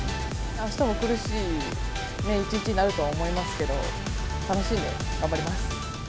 あしたも苦しい一日になると思いますけど、楽しんで頑張ります。